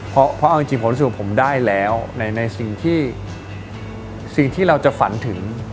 เพราะเอาจริงผมรู้สึกว่าผมได้แล้วในสิ่งที่สิ่งที่เราจะฝันถึง